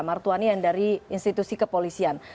martuani yang dari institusi kepolisian